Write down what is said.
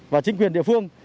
và chính quyền địa phương